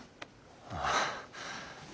ああ。